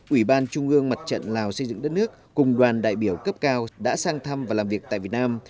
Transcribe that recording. ủy ban trung ương mặt trận lào xây dựng đất nước cùng đoàn đại biểu cấp cao đã sang thăm và làm việc tại việt nam